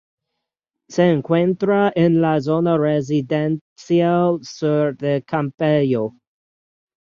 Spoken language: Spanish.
Se encuentra en la zona residencial sur de Campello.